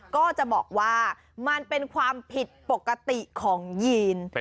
ก็จะบอกว่ามันเป็นความผิดปกติของยีน